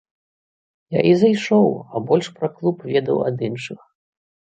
Я і зайшоў, а больш пра клуб ведаў ад іншых.